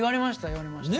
言われました。